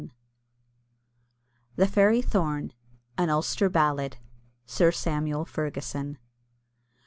] THE FAIRY THORN. An Ulster Ballad. SIR SAMUEL FERGUSON.